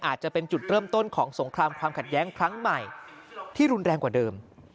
อาจจะเป็นจุดเริ่มต้นของสงครามความขัดแย้งครั้งใหม่ที่รุนแรงกว่าเดิม